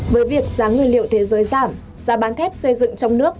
với việc giá nguyên liệu thế giới giảm giá bán thép xây dựng trong nước